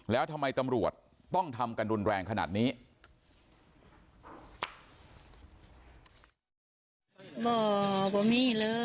แล้วทำไมตำรวจต้องทำกันรุนแรงขนาดนี้